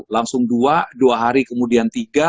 langsung dua dua hari kemudian tiga